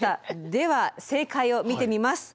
では正解を見てみます。